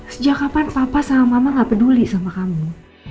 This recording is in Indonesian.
sejak kapan papa sama mama gak peduli sama kamu